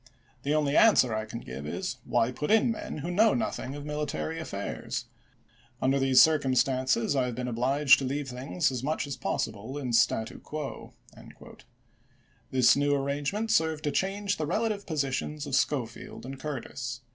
The only answer I can give is, Why put in men who SSd? know nothing of military affaii^s? Under these 1862!^ w. k circumstances I have been obliged to leave things p. 654. ■' as much as possible in statu quoJ" This new ar rangement served to change the relative positions of Schofield and Curtis.